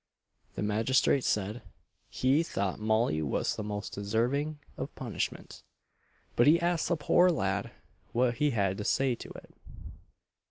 The magistrate said, he thought Molly was the most deserving of punishment; but he asked the poor lad what he had to say to it.